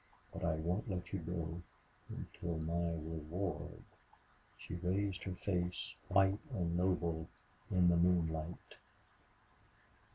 But I won't let you go until my reward " She raised her face, white and noble in the moonlight.